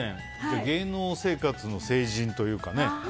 芸能生活の成人というかね。